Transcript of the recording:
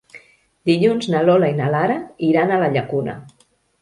Dilluns na Lola i na Lara iran a la Llacuna.